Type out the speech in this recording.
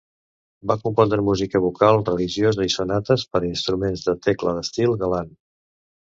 Va compondre música vocal religiosa i sonates per a instruments de tecla d'estil galant.